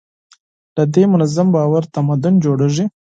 له دې منظم باور تمدن جوړېږي.